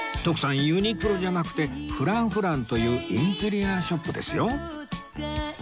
徳さんユニクロじゃなくてフランフランというインテリアショップですよ